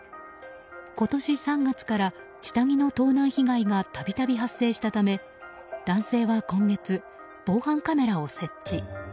今年３月から下着の盗難被害がたびたび発生したため男性は今月、防犯カメラを設置。